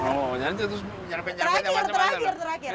terakhir terakhir terakhir